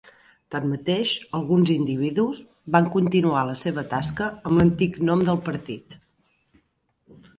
Tanmateix, alguns individus van continuar la seva tasca amb l'antic nom del partit.